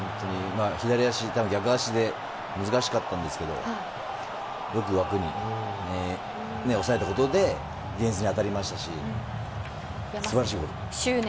多分、逆足で難しかったんですけど枠に抑えたことでディフェンスに当たりましたし素晴らしいゴール。